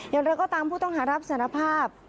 อย่างไรก็ตามผู้ต้องหารับสารภาพ